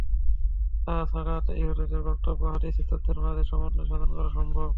তাছাড়া ইহুদীদের বক্তব্য ও হাদীসের তথ্যের মাঝে সমন্বয় সাধন করাও সম্ভব।